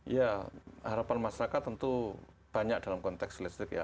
ya harapan masyarakat tentu banyak dalam konteks listrik ya